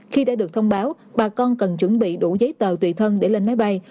khi đã được thông báo bà con cần chuẩn bị đủ giấy tờ tùy thân để lên máy bay